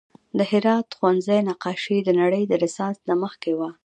د هرات د ښوونځي نقاشي د نړۍ د رنسانس نه مخکې وه